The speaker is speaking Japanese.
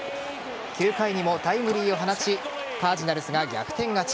９回にもタイムリーを放ちカージナルスが逆転勝ち。